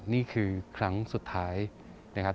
นี่คือครั้งสุดท้ายนะครับ